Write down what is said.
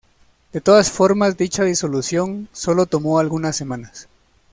De todas formas dicha disolución solo tomó algunas semanas.